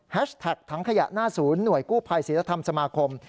แท็กถังขยะหน้าศูนย์หน่วยกู้ภัยศิลธรรมสมาคม